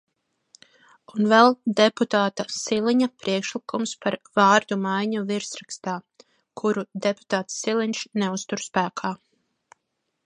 Un vēl deputāta Siliņa priekšlikums par vārdu maiņu virsrakstā, kuru deputāts Siliņš neuztur spēkā.